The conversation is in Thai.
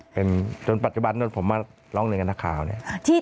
เป็นจนปัจจุบันนั้นผมมาร้องเรียนกับนักข่าวเนี่ย